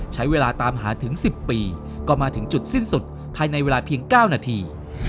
ใช้เวลาตามหาถึง๑๐ปีก็มาถึงจุดสิ้นสุดภายในเวลาเพียง๙นาที